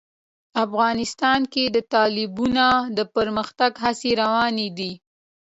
افغانستان کې د تالابونه د پرمختګ هڅې روانې دي.